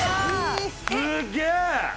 すっげえ！